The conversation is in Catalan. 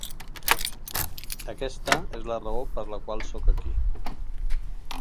Aquesta es la raó per la qual soc aquí.